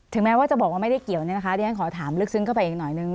แม้ว่าจะบอกว่าไม่ได้เกี่ยวเนี่ยนะคะเรียนขอถามลึกซึ้งเข้าไปอีกหน่อยนึง